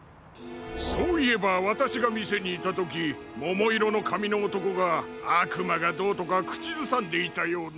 そういえばわたしがみせにいたときももいろのかみのおとこがあくまがどうとかくちずさんでいたような。